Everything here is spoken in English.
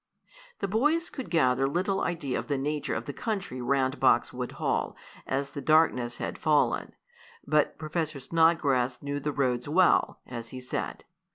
The boys could gather little idea of the nature of the country round Boxwood Hall, as the darkness had fallen. But Professor Snodgrass knew the roads well, as he said.